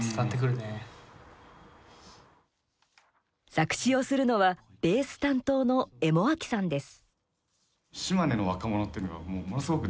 作詞をするのはベース担当のエモアキさんです。